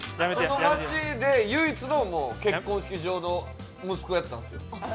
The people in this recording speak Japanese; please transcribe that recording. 町で唯一の結婚式場の息子だったんですよ。